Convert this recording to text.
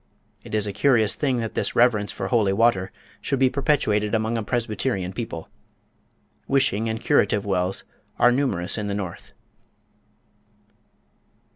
It is a curious thing that this reverence for holy water should be perpetuated among a Presbyterian people. Wishing and curative wells are numerous in the North.